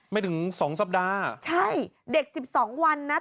ไม่ถึง๒สัปดาห์อ่ะใช่เด็ก๑๒วันนะ